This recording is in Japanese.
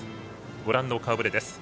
ご覧の顔ぶれです。